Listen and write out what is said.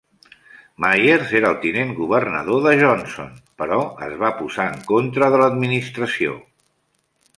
Myers era el tinent governador de Johnson, però es va posar en contra de l'administració.